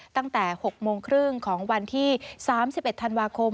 ตั้งแต่๖โมงครึ่งของวันที่๓๑ธันวาคม